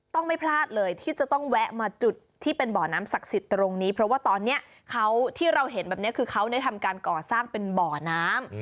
ไม่พลาดเลยที่จะต้องแวะมาจุดที่เป็นบ่อน้ำศักดิ์สิทธิ์ตรงนี้เพราะว่าตอนนี้เขาที่เราเห็นแบบนี้คือเขาได้ทำการก่อสร้างเป็นบ่อน้ำ